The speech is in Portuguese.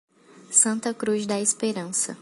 Santa Cruz da Esperança